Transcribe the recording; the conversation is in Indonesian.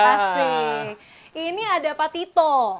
asing ini ada pak tito